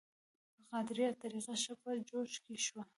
قادریه طریقه ښه په جوش کې شوه.